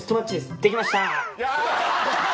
できました。